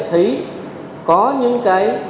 thấy có những cái